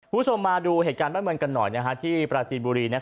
คุณผู้ชมมาดูเหตุการณ์บ้านเมืองกันหน่อยที่ปราจีนบุรี